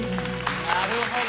なるほど。